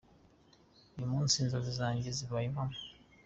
"Uyu munsi inzozi zanjye zibaye impamo.